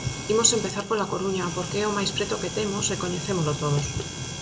Imos empezar pola Coruña, porque é o máis preto que temos, e coñecémolo todos.